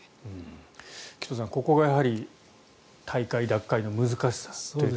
紀藤さん、ここがやはり退会、脱会の難しさと。